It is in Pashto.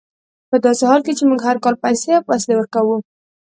په داسې حال کې چې موږ هر کال پیسې او وسلې ورکوو.